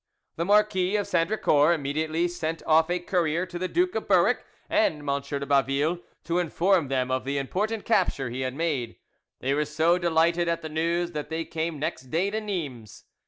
The Marquis of Sandricourt immediately sent off a courier to the Duke of Berwick and M. de Baville to inform them of the important capture he had made. They were so delighted at the news that they came next day to Nimes.